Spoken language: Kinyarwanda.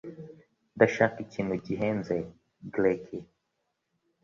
Ndashaka ikintu gihenze. (gleki)